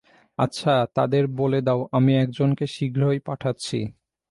আচ্ছা তাদের বলে দাও আমি একজনকে শীঘ্রই পাঠাচ্ছি।